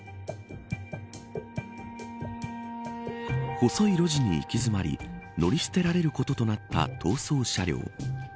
細い路地に行き詰まり乗り捨てられることとなった逃走車両。